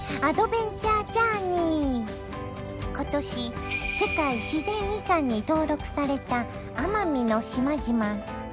今年世界自然遺産に登録された奄美の島々。